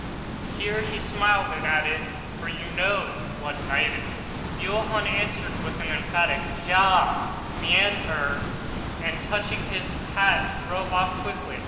Here he smiled, and added, "for you know what night it is." Johann answered with an emphatic, "Ja, mein Herr," and, touching his hat, drove off quickly.